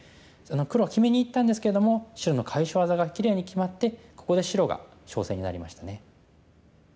黒は決めにいったんですけれども白の返し技がきれいに決まってここで白が勝勢になりましたね。